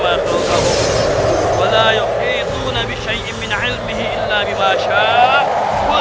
dan mereka tidak mengikuti apa apa dari ilmu mereka